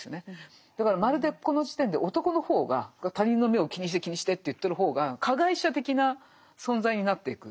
だからまるでこの時点で男の方が他人の目を気にして気にしてと言ってる方が加害者的な存在になっていく。